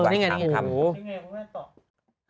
ทำไมมันหงุดหงิดอะไรได้ขนาดนี้วะ